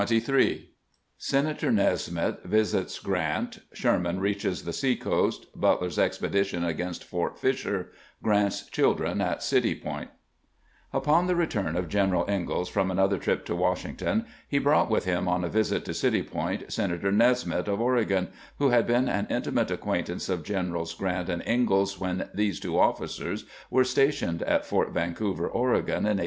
CHAPTER XZIII SENATOE KESMITH VISITS GRANT — SHERMAN REACHES THE SEA COAST — butler's EXPEDITION AGAINST FORT FISHER — GRANT'S CHILDREN AT CITY POINT UPON the return of General Ingalls from another trip to Washington, he brought with him on a visit to City Point Senator Nesmith of Oregon, who had been an intimate acquaintance of Generals Grant and Ingalls when these two officers were stationed at Fort Van couver, Oregon, in 1853.